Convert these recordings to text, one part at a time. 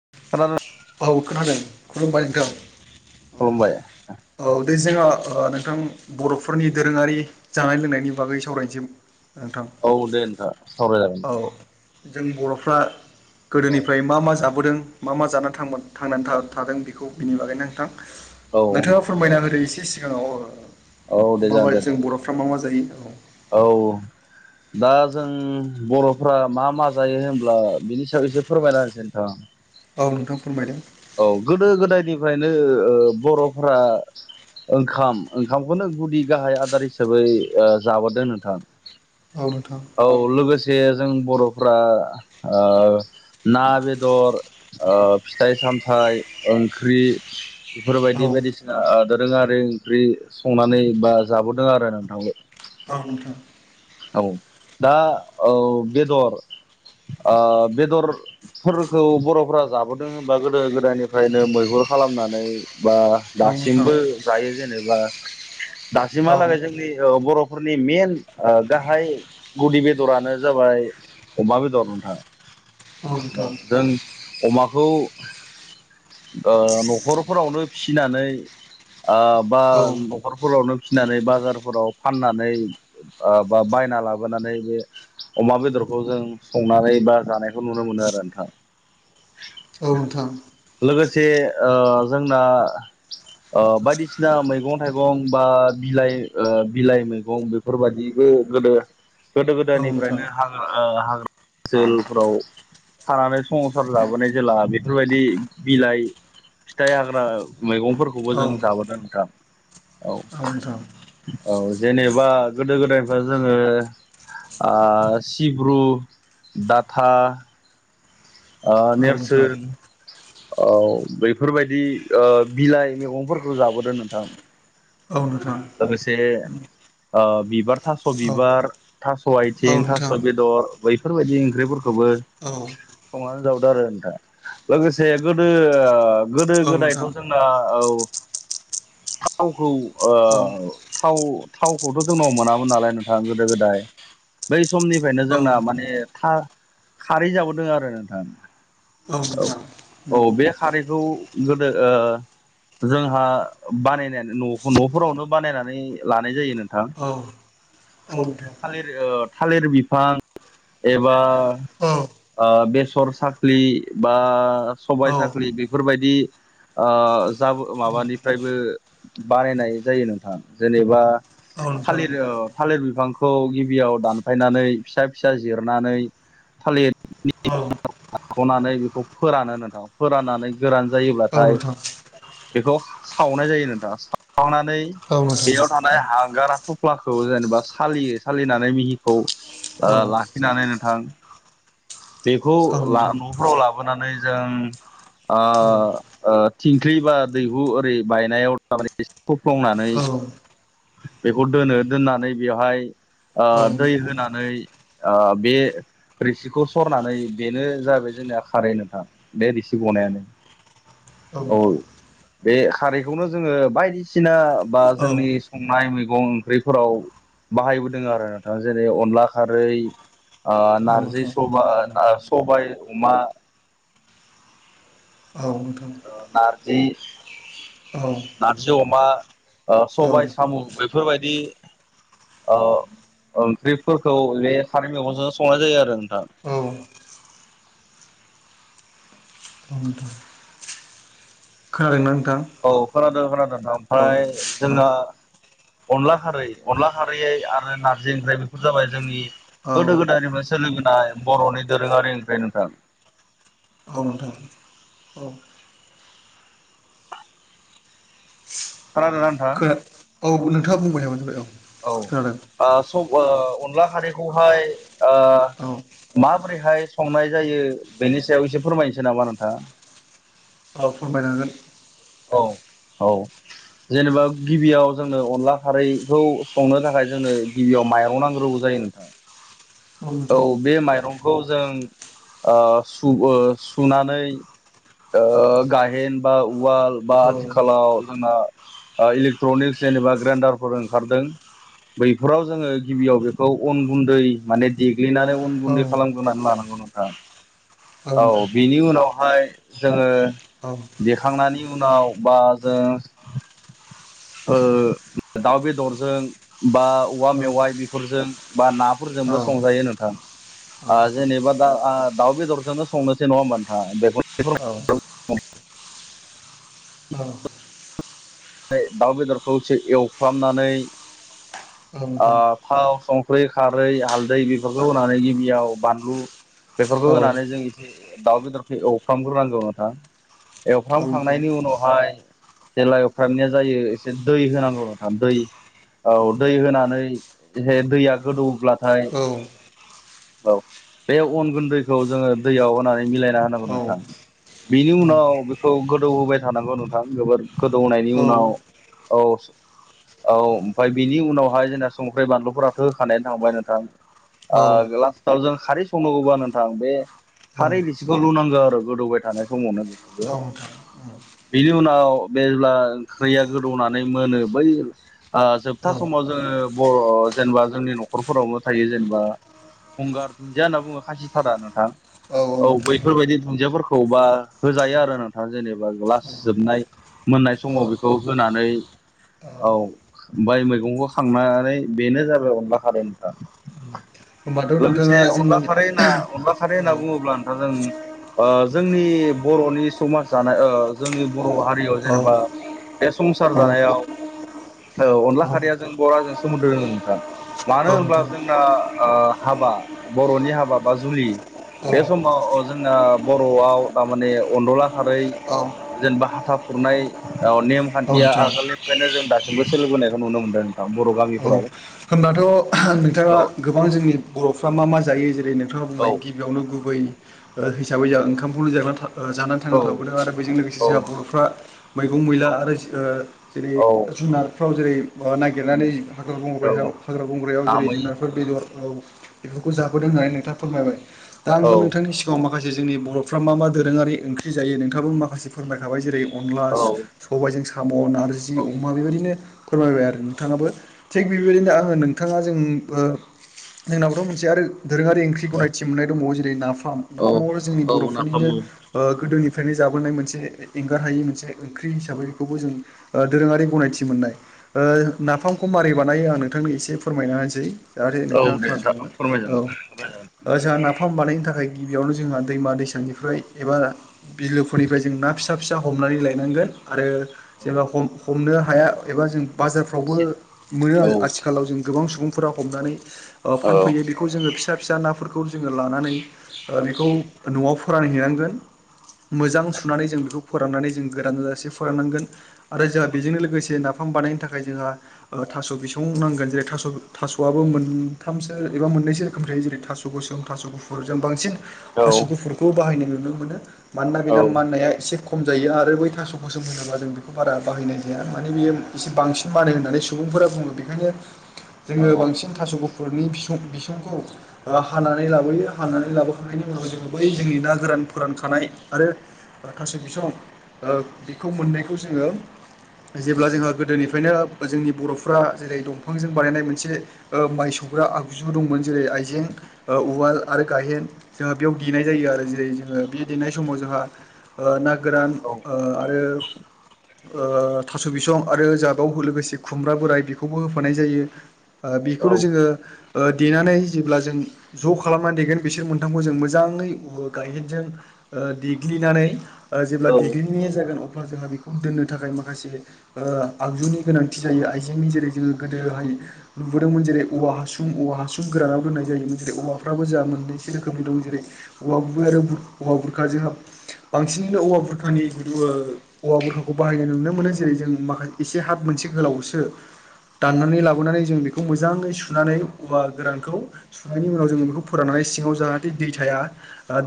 [unintelligible] औ खोनादों खुलुमबाय औ नोंथां खुलुमबाय औ दे जोंङो ओ नोंथां बर'फोरनि दोरोङारि जानाय लोंनायनि बागै सावरायनोसैमोन। औ दे नोंथां सावराय जागोन। जों बर'फ्रा गोदोनिफ्राय मा मा जाबोदों। मा मा जानानै थांमारदो थांनानै थादों बेखौ बिनि बागैनो नोंथां औ नोंथाङा फोरमायना होदो इसे सिगाङाव ओ औ दे जागोन माबादि दे जों नोंथां बर'फ्रा मा मा जायो? औ औ दा जों बर'फ्रा मा मा जायो होनब्ला बिनि सायाव एसे फोरमायना होनोसै नोंथां। औव नोंथां फोरमायदों। औ गोदो गोदायनिफ्रायनो ओ बर'फ्रा ओंखाम ओंखामखौनो गुदि गाहाय आदार हिसाबै ओ जाबोदों नोंथां। औ नोंथां औ लोगोसे जों बर' फ्रा ओ ना बेदर ओ फिथाइ सामथाइ फिथाइ ओंख्रि औ बेफोरबायदि बायदिसिना ओ दोरोङारि आरि संनानै बा जाबोदों आरो नोंथां। औ नोंथां औ दा औव बेदर ओ बेदरफोरखौ बर'फ्रा जाबोदों होनबा गोदो गोदायनिफ्रायनो मैहुर खालामनानै बा औ नोंथां दासिमबो जायो जेनेबा औ दासिमहालागै जोंनि ओ बर'फोरनि मेन ओ गाहाय गुदि बेदरानो जाबाय अमा बेदर नोंथां। औ नोंथां औव जों अमाखौ ओ न'खरफोरावनो फिनानै ओ बा औ न'खरफोरावनो फिनानै बाजारफोराव फाननानै ओ बा बायना लाबोनानै बे अमा बेदरखौ जों संनानै बा जानायखौ नुनो मोनो आरो नोंथां। [inaudible] औ नोंथां। लोगोसे ओ जोंना ओ बायदिसिना मैगं थाइगं बा बिलाइ ओ बिलाइ मैगं बेफोरबायदिबो गोदो गोदो औ नोंथां औ गोदायनिफ्रायनो हाग्रा ओ हाग्रा ओनसोलफोराव थानानै संसार जाबोनाय जेला बेफोरबायदि बिलाइ फिथाइ हाग्रा मैगंफोरखौबो जों जाबोदों नोंथां। औ नोंथां औ जेनेबा गोदो गोदायनिफ्राय जोङो ओ सिब्रु डाथा ओ नोंथां नेरसोन औ बेफोरबायदि ओ बिलाइ मैगंफोरखौ जाबोदों नोंथां। औ नोंथां। लोगोसे ओ बिबार थास' औ बिबार थास' औ आइथिं थास' नोंथां बेदर बैफोरबायदि ओंख्रिफोरखौ खौबो औ संनानै जाबोदों आरो नोंथां लोगोसे गोदो गोदो औ गोदायथ' नोंथां जोंङो औ थावखौ औ ओ थाव थावखौथ' जोंनाव मोनामोन नालाय नोंथांङा गोदो गोदाय बै समनिफ्रायनो औ जोंना माने खा-खारै जाबोदों आरो नोंथां। औ नोंथां औ बे खारैखौ गोदो ओ जोंहा बानायनानै न' न'फोरावनो बानायनानै लानाय जायोमोन। नोंथां औ औ नोंथां औ नोंथां थालिर थालिर बिफां एबा औ बेसर साफ्लि बा सबाय औ साफ्रि बेफोरबायदि ओ जा माबानिफ्रायबो बानायनाय जायो नोंथां जेनेबा नोंथां थालिर थालिर बि बिफांखौ गिबियाव दानफायनानै फिसा फिसा जिरनानै थालिरनि [unintelligible] दानख'नानै बेखौ फोरानो नोंथांङा फोराननानै गोरान जायोब्ला औ औ नोंथां बेखौ सावनाय जायो नोंथांङा सावनानै बेयाव थानाय हां गारा थफ्लाखौ जेनेबा सालियो सालिनानै मिहिखौ औ नोंथां औ नोंथां औ लाखिनानै नों थां बेखौ नोंथां औ ला नोंथां न'फ्राव लाबोनानै जों ओ थिंख्लि बा दैहु ओरै बायनायाव थारमाने एसे सफ्लंनानै औ बेखौ दोनो दोननानै बेवहाय दै होनानै बे रोसि खौ सरनानै बेनो जाबाय जोंनिया खारै नोंथां बे रोसि गनायानो औ नोंथां बे खारैखौनो जोंङो बायदिसिना बा जोंनि संनाय मैगं ओंख्रिफोराव बाहायबोदों आरो नोंथांङा जेरै अनला खारै नारजि नोंथां सबा सबाय अमा औ नारजि नारजि अमा सबाय साम' बेफोरबायदि औ ओंख्रिफोरखौ बे खारि मेगंजों संनाय जायो आरो नोंथां। [inaudible] खोनादों ना नों औ खोनादों खोनादों नोंथां आमफ्राय जोंहा अनला खारै अनला खारैै आरो नारजि ओंख्रि बेफोर जाबाय जोंनि गोदो गोदायनिफ्राय सोलिबोनाय बर'नि दोरोंङारि ओंफ्राय नोंथां। औ नोंथां। औ खोनादोंना नोंथां? खोना औ नोंथांआ [unintelligible] [unintelligible] ओ अनला खारिखौहाय औ माबोरैहाय संनाय जायो बेनि सायाव एसे फोरमायनोसै नामा नोंथां? बाव फोरमायनांगोन औ, औ जेनेबा गिबियाव जोंनो अनला खारैखौ संनो थाखाय जोंनो गिबियाव मायरं नांगोरगौ जायो हागोन औ बे मायरंखौ बेखौ जों ओ सुनानै ओ गायेन बा उवाल बा औ नोंथां औ आथिखालाव जोंना इलेक्ट्रनिक्स जेनेबा ग्रेन्डारफोर ओंखारदों बैफोराव जोंङो गिबियाव बेखौ अन गुन्दै माने देग्लिनानै उन औ गुन्दै खालामग्रोनानै लानांगौ औ नोंथां औ बिनि उनाव बेहाय जोंङो औ देखांनायनि उनाव बा जों दाउ बेदरजों बा औवा मेवाइ बेफोरजों बा नाफोरजों औ जोंबो संजायो नोंथां। नोंथां जेनेबा दा दाउ बेदरजोंनो संनोसै नङा होनबा नोंथाङ बेखौ [inaudible] औ औ दाउ बेदरखौ एसे एवफ्रामनानै नोंथां थाव संख्रि खारै हालदै बेफोरखौ होनानै गिबियाव बानलु बेफोरखौ औ होनानै जों एसे दाउ बेदरखौ एवफ्रामग्रोनांगौ नोंथां। औ नोंथां एवफ्रामखांनायनि उनावहाय जेला एवफ्रामनायया जायो एसे दै होनांगौ नोंथां दै औ दै होनानै दैया गोदौब्ला औ, औ बे अन गुन्दैखौ जोङो दैयाव होनानै मिलायना होनांगौ नोंथां। बिनि उनाव बेखौ गोदौ होबाय थानांगौ नोंथां जोबोर गोदौनायनि उनाव औ औ ओमफफ्राय बेनि उनाव ओमफाय जोंना संख्रिा बानलुफोराथ' होखानायानो थांबाय नोंथां लास्टाव जों खारै संनांगौबा नोंथां बे खारै बिसेखौ लुनांगौ आरो गोदौबाय थानाय समावनो बेखौबो बिनि उनाव जेब्ला ओंख्रिया गोदौनानै मोनो बै जोबथा समाव जोङो बर' जेनेबा जोंनि न'खरफोरावनो थायो जेनेबा गंगार दुन्दिया होनना बुङो खासिथारा नोंथां औ बैफोरबायदि दुन्दियाफोरखौबा होजायो आरो नोंथाङा जेनेबा ला्लास जोबनाय मोननाय औ समाव बेखौ होनानै औ माय मैगंखौ खांनानै बेनो जाबाय अनला खारै नोंथां। होमबाथ' नोंथाङा लोगोसे जोंनि अनला औ खरैना अनलाखारै खारै होनना बुङोब्ला नोंथाङा जों जोंनि बर'नि समाज जानाय जोंनि बर' हारियाव औ जेनेबा बे संसार औ नोंथां जानायाव अनला खारिया जों बर'जों सोमोन्दो रोङोन नोंथां मानो होनब्ला जोंना हाबा बर'नि हाबा बा जुलि औ बे समाव जोंना बर'आव थारमाने अनदला खारै औ जेनेबा हाथा खुरनाय औ नेमखान्थिया नोंथां आगोलनिफ्रायनो जों दासिमबो सोलिबोनायखौ नुनो मोन्दों। औ होनबाथ' नोंथाङा औ गोबां जोंनि बर'फ्रा मा मा जायो जेनब जेरै नोंथाङा औ बुंबाय गिबियावनो गुबै हिसाबै जोंहा ओंखामखौलनो जाना था जानानै थांना औ थाबोदों आरो बेजों लोगोसे औ जोंहा बर'फ्रा मैगं मैला आरो जेरै, औ जुनारफ्राव जेरै उम नागिरनानै हाग्रा औ बंग्रायाव हाग्रा बंग्रायाव जेरै नामै जुनारफोर बेदर औ बेफोरखौ जाबोदों होननानै नोंथाङा फोरमायबाय दा औ आंबो नोंथांनि सिगाङाव मा माखासे जोंनि बर'फ्रा मा मा दोरोङारि ओंख्रि जायो नोंथाङाबो माखासे फोरमायखाबाय जेरै अनला औ सबायजों साम' नारजि औ अमा बेबायदिनो फोरमायबाय आरो नोंथाङाबो थिग बेबायदिनो आङो नोंथाङा जों जोंनावथ' मोनसे आरो दोरोङारि ओंख्रि औ गनायथि मोननाय दङो जेरै नाफाम औ नाफामाव जोंनि औ नाफाम बर'फोरनिनो औ गोदोनि फ्रायनो जाबोनाय मोनसे एंगार हायि मोनसे ओंख्रि हिसाबै बेखौबो जों दोरोङारि गनायथि मोन्नाय नाफामखौ मारै बानायो आं नोंथांनि एसे फोरमायना होनसै जाहाथे औ नोंथाङा दे नोंथां खोनासंलाङो फोरमायजागोन औ जोंहा नाफाम बानायनो थाखाय गिबियावनो जोंहा दैमा दैसानिफ्राय एबा बिलोफोरनिफ्राय जों ना फिसा फिसा हमनानै लायनांगोन आरो औ जेनेबा हमनो हाया एबा जों बाजारफ्रावबो मोनो औ आथिखालाव जों गोबां सुबुंफोरा हमनानै औ फानफैयो बेखौ जोङो फिसा फिसा नाफोरखौ जोङो लानानै बेखौ न'आव फोरानहैनांगोन मोजां सुनानै जों बेखौ फोराननानै जों गोरान जाजासे फोराननांगोन आरो जोंहा बेजोंनो लोगोसे नाफाम बानायनो थाखाय जोंहा थास' बिसं नांगोन जेरै थास' थास'आबो मोनथामसो एबा मोननैसो रोखोम थायो जेरै थास'खौसो जों थास' गुफुरजों बांसिन औ थास गुफुरखौ बाहायनो नुनो मोनो मानोना औ बेना माननाया एसे खम जायो आरो बै थास'खौसोम होनाबा जों बेखौ बारा बाहायनाय जाया माने बियो एसे बांसिन बानो होननानै स सुबुंफोरा बुङो बेखायनो औ जोङो बांसिन थास'खौ गुपुरनि बिस बिसंखौ हानानै लाबोयो हानानै लाबोखांनायनि उनाव जोङो बै जोंनि ना गोरान फोरानखानाय आरो माखासे बिसं बेखौ मोननायखौ जोङो जेब्ला जोंहा गोदोनिफ्रायनो जोंनि बर'फ्रा जेरै दंफांजों बानायनाय मोनसे माइ सौग्रा आगजु दंमोन जेरै आइजें उवाल आरो गायहेन जोंहा बेयाव देनाय जायो आरो जेरै जोङो बे देनाय समाव जोंहा ना गोरान औ आरो थास' बिसं आरो जागाव लोगोसे खुमब्रा बोराय बेखौबो होफानाय जायो औ बेखौनो औ जोङो देनानै जेब्ला जों ज' खालामनानै देगोन बिसोर मोनथामखौ जों मोजाङै गायहेनजों देग्लिनानै जेब्ला देग्लिनाया जागोन अब्ला जोंहा बेखौ दोननो थाखाय माखासे आगजुनि गोनांथि थि जायो आइजेंनि जेरै जोङो गोदोहाय नुबोदोंमोन जेरै औवा हासुं औवा हासुं गोरानाव दोननाय जायोमोन जेरै औवाफ्राबो जों मोननैसो रोखोमनि दं जेरै औवा गुबै आरो औवा बुरखाजोंहा बांसिनैनो औवा बुरखानि गु औवा बुरखाखौ बाहायनाय नुनो मोनो जेरै जों माखासे एसे हाब मोनसे गोलावसो दाननानै लाबोनानै जों बेखौ मोजाङै सुनानै औवा गोरानखौ सुनायनि उनाव जों बेखौ फोराननानै सिङाव जाहाथे दै थाया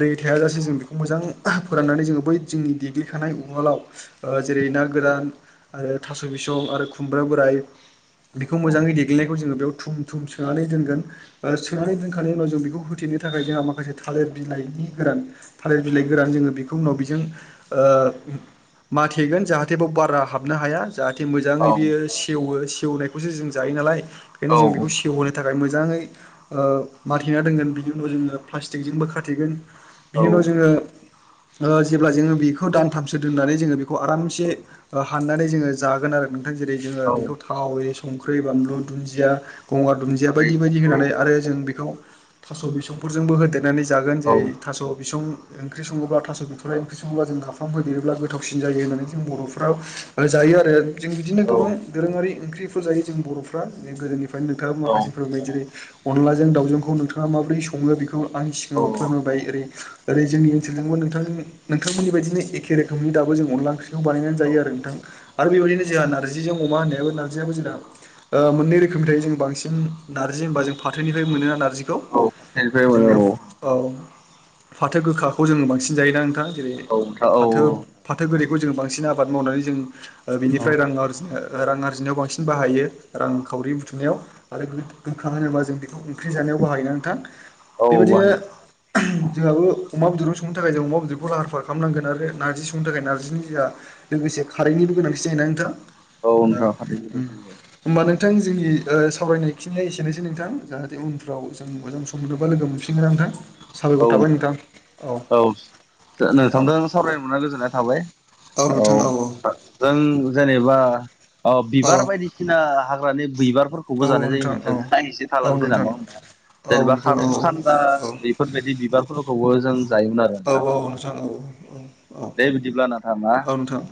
दै थायाज जासे जों बेखौ मोजां फोराननानै जोङो बै जोंनि उलाव जेरै ना गोरान थास बिसंआरो आरो खुमब्रा बोराय बेखौ मोजाङै देग्नायखौ जोङो बेयाव थुम थुम सोनानै दोनगोन सोनानै दोनखांनायनि उनाव जों बेखौ होथेनो थाखाय जोंहा माखासे थालिर बिलाइ गोरान थालिर बिलाइ गोरान जोङो बेखौ उनाव बेजों माथेगोन जाहाथे बेयाव बारा हाबनो हाया जाहाथे मोजाङै बियो सेवो सेवनायखौसो जों जायो नालाय बेओंखायनो जों बेखौ सेवहोनो थाखाय मोजाङै माराथेना दोनगोन बिनि उनाव जोङो प्लास्टिकजोंबो खाथेगोन बिनि उनाव जोङो जेब्ला जोङो बेखौ दानथामसो दोननानै जोङो बेखौ आरामसे हाननानै जोङो जागोन आरो जेरै जोङो औ बेखौ थाव संख्रि बानलु दुन्दिया गगार दुन्दिया खारै बायदि बायदि औ होनानै आरो जों बेखौ थास' बिसौफोरजोंबो होदेरनानै जागोन औ जेरै थास' बिसं ओंख्रि सङोब्ला थास' बिथ'रा ओंख्रि सङोब्ला जों गाफाम होोदेरोब्ला गोथावसिन जायो होननानै जों बर'फोराव जायो जायो आरो जों बिदिनो औ गोबां दोरोङारि ओंख्रिफोर जायो जों बर'फ्रा गोदोनिफ्राय फ्राय नोंथाङा मासे फोरोंनाय जेरै अनलाजों दावजोंखौ नोंथाङा माबोरै सङो बेखौ खौ आं सिगाङाव फोरमबाय ओरै ओरै जोंनि ओनोलजोंबो नोंथ नोंथांमोननि बायदिनो एखे रोखोमनि दाबो जों अनला ओंख्रि बानायनानै जायो आरो नोंथां आरो बेबायदिनो जोंहा नारजिजों अमा होननाय नारजियाबो जों मोननै रो खोमनि थायो जों बांसि नारजि होनबा जों फाथोनिफ्राय मोन नारजि नारजिखौ फाथोनिफ्राय मोनो जोंनियाव औ फाथो गोखाखौ जोङो बांसिन जायोना नोंथां? जेरै औ नोंथां औ फाथो फाथो गोरैखौ जों बांसिन आबाद मावनानै जों ओ बेनि औ जिनो रां आरजिनायाव बांसिन बाहायो। रांखावरि बुथुमनायाव आरो गोखा होनोबा जों बेखौ ओंख्रि जानायाव बाहायोना नोंथां? औ बेबायदिनो बाहायो औ जोंहाबो अमा बेदर संनो थाखाय जों अमा बेदरखौ लाहार फाहार खालामनांगोन आरो नारजि संनो थाखाय नारजिनि लोगोसे खारैनि गोनांथि जायो औ नोंथां खारैखौ गोनांथि जायो। होमबानो नोंथां जोंनि सावरायनाय खिननाया एसेनोसै नोंथां जाहाथे उनफ्राव जों मोजां सम बा लोगो मोनफिनगोना नोंथां औ साबायखर थाबाय नोंथां औ। औ नोंथांजों सावरायनो मोना गोजोननाय थाबाय। औ जों जेनेबा ओ औ बिबार बायदिसिना हाग्रा माने औ बिबारफोरखौबो जानाय नोंथां जायोमोन जों औ एसे थाल औ जों नोंथां नङा हबा औ जेनेबा नोंथां खार' औ खान्दा औ बेफोरबायदि बिबारफोरखौबो जों जायोमोन आरो नोंथा। औ नोंथां औ औ दे बिदिब्ला नोंथा ना। औ नोंथां